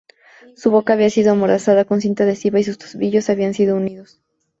Su boca había sido amordazada con cinta adhesiva y sus tobillos habían sido unidos.